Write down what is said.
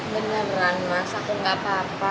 beneran mas aku gak apa apa